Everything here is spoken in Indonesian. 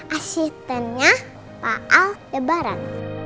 asistennya pak al debaran